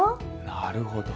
なるほど。